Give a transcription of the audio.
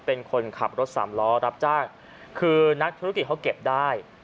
เป็นคนขับรถสามล้อรับจ้างคือนักธุรกิจเขาเก็บได้